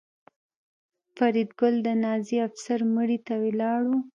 فریدګل د نازي افسر مړي ته ولاړ و